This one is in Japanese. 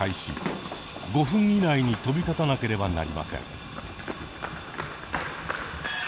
５分以内に飛び立たなければなりません。